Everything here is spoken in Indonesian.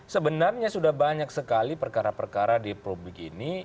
sebenarnya sudah banyak sekali perkara perkara di publik ini